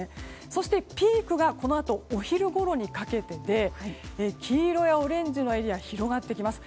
そして、ピークがこのあとお昼ごろにかけてで黄色やオレンジのエリアが広がってきます。